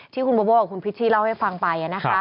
ที่คุณโบโบกับคุณพิชชี่เล่าให้ฟังไป